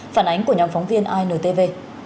phản ánh của nhóm phóng viên intv